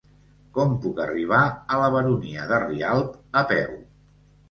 Com puc arribar a la Baronia de Rialb a peu?